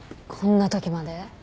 こんなときまで？